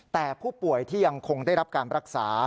แต่ผู้ป่วยที่ยังคงได้รับการรักษา